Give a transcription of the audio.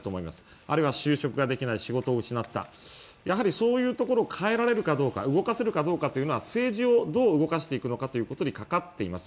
あるいは就職ができない、仕事を失った、そういうところを変えられるか動かせるかどうかというのは、政治をどう動かしていくかということにかかっています。